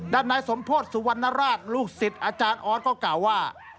นายสมโพธิสุวรรณราชลูกศิษย์อาจารย์ออสก็กล่าวว่า